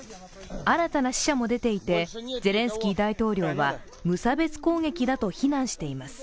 新たな死者も出ていて、ゼレンスキー大統領は無差別攻撃だと非難しています。